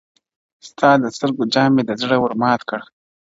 • ستا د سترگو جام مي د زړه ور مات كـړ.